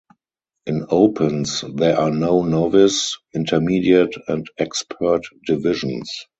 In Opens there are no Novice, Intermediate and Expert divisions.